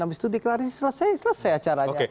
habis itu diklarisi selesai acaranya